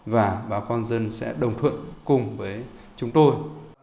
và bà con dân sẽ đồng thuận cùng với chúng tôi